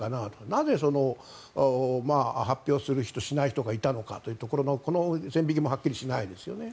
なぜ、発表する人しない人がいるのかというところの線引きもはっきりしないですよね。